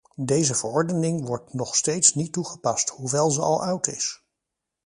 Deze verordening wordt nog steeds niet toegepast, hoewel ze al oud is.